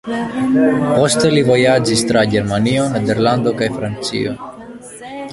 Poste li vojaĝis tra Germanio, Nederlando kaj Francio.